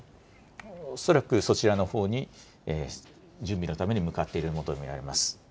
恐らくそちらのほうに準備のために向かっているものと見られます。